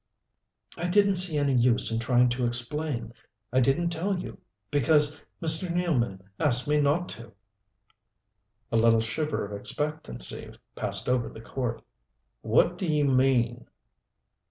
"I didn't see any use in trying to explain. I didn't tell you because Mr. Nealman asked me not to." A little shiver of expectancy passed over the court. "What do you mean?"